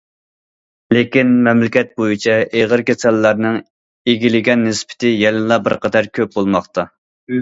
لېكىن، مەملىكەت بويىچە ئېغىر كېسەللەرنىڭ ئىگىلىگەن نىسبىتى يەنىلا بىر قەدەر كۆپ بولماقتا.